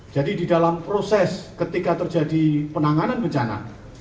jadi di dalam proses ketika terjadi penanganan bencana